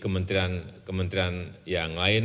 kemudian di kementerian yang lain